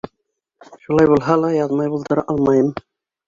Шулай булһа ла, яҙмай булдыра алмайым.